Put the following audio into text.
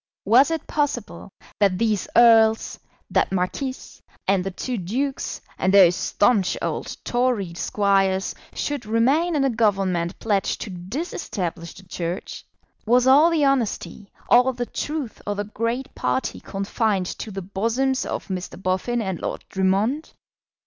Was it possible that these earls, that marquis, and the two dukes, and those staunch old Tory squires, should remain in a Government pledged to disestablish the Church? Was all the honesty, all the truth of the great party confined to the bosoms of Mr. Boffin and Lord Drummond?